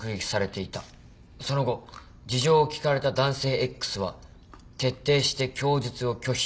その後事情を聴かれた男性Ｘは徹底して供述を拒否。